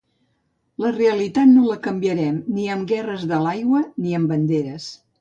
La realitat no la canviarem ni amb guerres de l’aigua ni amb banderes.